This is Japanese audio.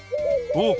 おっ！